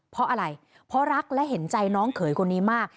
เพราะอะไรเพราะรักและเห็นใจน้องเขยคนนี้มาก